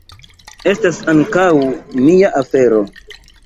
Estas ankaŭ mia afero.